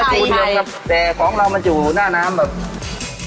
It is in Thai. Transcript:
แต่ของเรามันอยู่หน้าน้ำแบบ